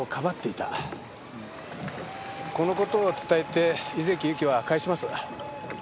この事を伝えて井関ゆきは帰します。